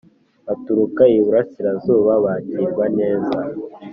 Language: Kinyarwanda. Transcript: baturuka iburasirazuba bakirwa neza